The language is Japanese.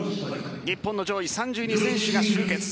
日本の上位３２選手が集結。